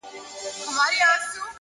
زحمت د راتلونکي بنسټ قوي کوي!